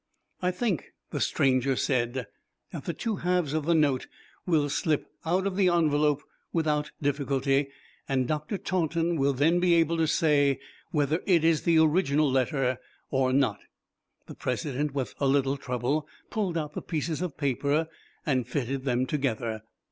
"I think," the stranger said, "that the two halves of the note will slip out of the envelope without difficulty, and Dr. Taunton will then be able to say whether it is the original letter or not." The president with a little trouble pulled out the pieces of paper and fitted them together.